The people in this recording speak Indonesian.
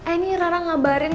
eh ini rara ngabarin